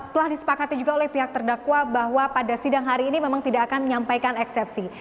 telah disepakati juga oleh pihak terdakwa bahwa pada sidang hari ini memang tidak akan menyampaikan eksepsi